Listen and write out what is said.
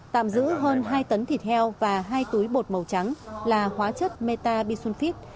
tạm giữ hơn hai tấn thịt heo và hai túi bột màu trắng là hóa chất metabisulfit